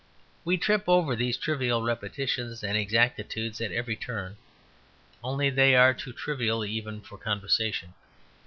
We trip over these trivial repetitions and exactitudes at every turn, only they are too trivial even for conversation.